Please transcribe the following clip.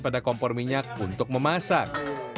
pada kompor minyak untuk memasak